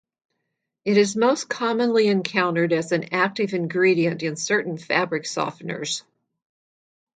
It is most commonly encountered as an active ingredient in certain fabric softeners.